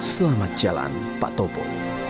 selamat jalan patopo